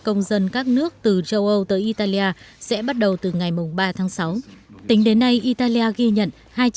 công dân các nước từ châu âu tới italia sẽ bắt đầu từ ngày ba tháng sáu tính đến nay italia ghi nhận